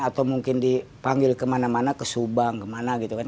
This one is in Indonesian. atau mungkin dipanggil kemana mana ke subang kemana gitu kan